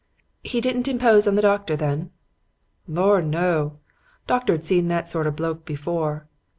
"'He didn't impose on the doctor, then?' "'Lor', no! Doctor'd seen that sort o' bloke before.